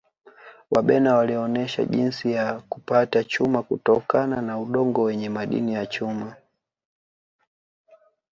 Wabena walionesha jinsi ya kupata chuma kutokana na udongo wenye madini ya chuma